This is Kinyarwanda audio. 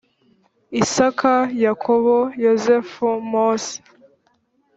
isaka yakobo yozefu mose